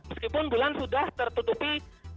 meskipun bulan sudah tertutupi